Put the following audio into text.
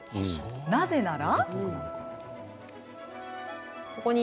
なぜなら。